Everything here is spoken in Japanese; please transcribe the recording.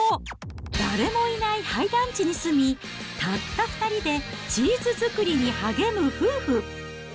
誰もいない廃団地に住み、たった２人でチーズ作りに励む夫婦。